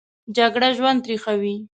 جګړه ژوند تریخوي